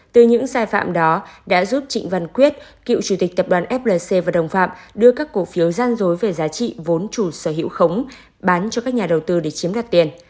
từ những sai phạm đó đã giúp trịnh văn quyết cựu chủ tịch tập đoàn flc và đồng phạm đưa các cổ phiếu gian dối về giá trị vốn chủ sở hữu khống bán cho các nhà đầu tư để chiếm đoạt tiền